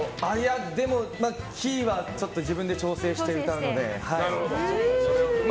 でもキーはちょっと自分で調整して歌うので。